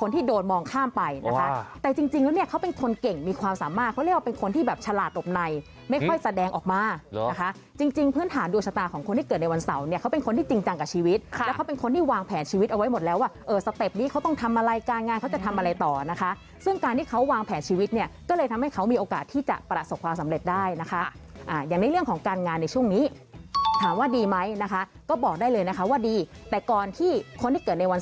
คนที่โดนมองข้ามไปนะคะแต่จริงแล้วเนี่ยเขาเป็นคนเก่งมีความสามารถเขาเรียกว่าเป็นคนที่แบบฉลาดอบในไม่ค่อยแสดงออกมานะคะจริงพื้นฐานดูชะตาของคนที่เกิดในวันเสาร์เนี่ยเขาเป็นคนที่จริงจังกับชีวิตแล้วเขาเป็นคนที่วางแผนชีวิตเอาไว้หมดแล้วว่าสเต็ปนี้เขาต้องทำอะไรการงานเขาจะทำอะไรต่อนะคะซึ่งการที่เข